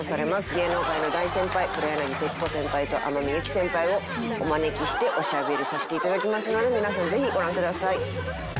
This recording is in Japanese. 芸能界の大先輩黒柳徹子先輩と天海祐希先輩をお招きしておしゃべりさせて頂きますので皆さんぜひご覧ください。